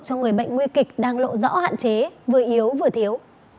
cho người bệnh nguy kịch đang lộ rõ hạn chế vừa yếu vừa thiếu